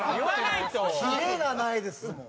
キレがないですもん。